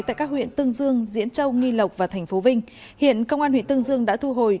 tại các huyện tương dương diễn châu nghi lộc và tp vinh hiện công an huyện tương dương đã thu hồi